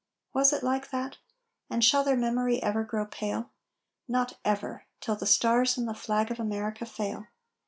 Was it like that? And shall their memory ever grow pale? Not ever, till the stars in the flag of America fail.